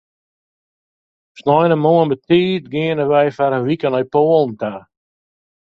Sneintemoarn betiid geane wy foar in wike nei Poalen ta.